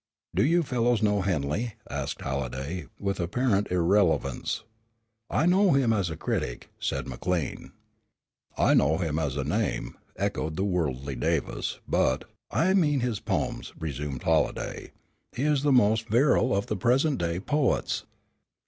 "Do you fellows know Henley?" asked Halliday, with apparent irrelevance. "I know him as a critic," said McLean. "I know him as a name," echoed the worldly Davis, "but " "I mean his poems," resumed Halliday, "he is the most virile of the present day poets.